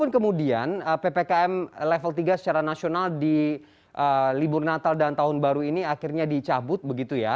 kemudian ppkm level tiga secara nasional di libur natal dan tahun baru ini akhirnya dicabut begitu ya